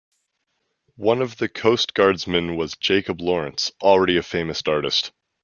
One of the Coast Guardsmen was Jacob Lawrence, already a famous artist.